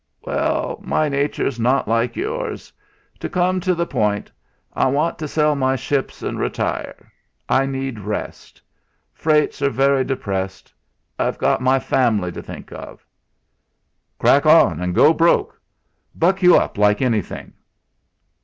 "Well, my nature's not like yours. To come to the point, I want to sell my ships and retire. I need rest. Freights are very depressed. I've got my family to think of." "Crack on, and go broke; buck you up like anything!"